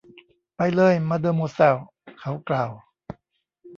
“ไปเลยมาเดอโมแซล” เขากล่าว